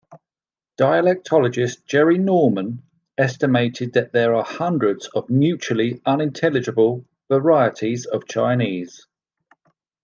Dialectologist Jerry Norman estimated that there are hundreds of mutually unintelligible varieties of Chinese.